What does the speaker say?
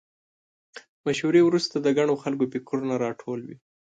مشورې وروسته د ګڼو خلکو فکرونه راټول وي.